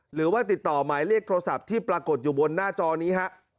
หรือว่าติดต่อหมายเลขโทรศัพท์ที่ปรากฏอยู่บนหน้าจอนี้ฮะ